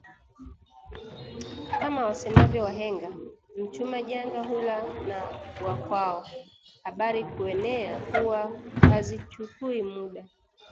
Kama wasemavyo wahenga “mchuma janga hula na wa kwao” habari kuenea huwa hazichukui muda